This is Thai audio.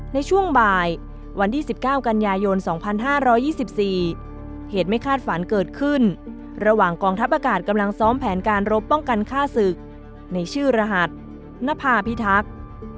ในช่วงบ่ายวันที่๑๙กันยายน๒๕๒๔เหตุไม่คาดฝันเกิดขึ้นระหว่างกองทัพอากาศกำลังซ้อมแผนการรบป้องกันฆ่าศึกในชื่อรหัสนภาพิทักษ์